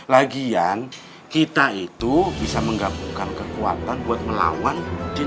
lagian kita itu bisa menggabungkan kekuatan buat melawan di situ